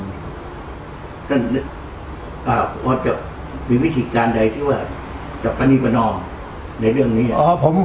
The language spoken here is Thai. ก็พอจะมีวิธีการใดที่ว่าจะปรณีประนอมในเรื่องนี้